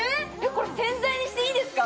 これ宣材にしていいですか？